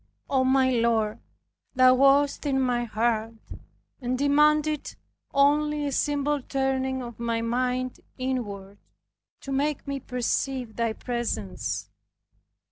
O my Lord, Thou wast in my heart, and demanded only a simple turning of my mind inward, to make me perceive Thy presence.